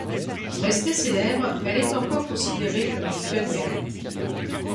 Restée célèbre, elle est encore considérée comme une pionnière.